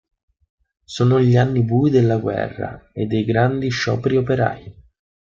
Sono gli anni bui della guerra e dei grandi scioperi operai.